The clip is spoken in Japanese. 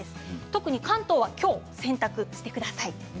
特に関東は今日洗濯してください。